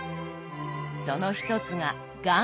その一つが岩塩。